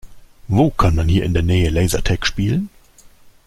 Wo kann man hier in der Nähe Lasertag spielen?